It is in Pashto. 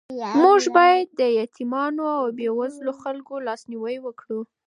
موږ باید د یتیمانو او بېوزلو خلکو لاسنیوی وکړو.